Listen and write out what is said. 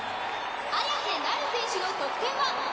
彩瀬なる選手の得点は。